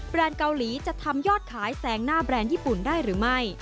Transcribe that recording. เกาหลีจะทำยอดขายแสงหน้าแบรนด์ญี่ปุ่นได้หรือไม่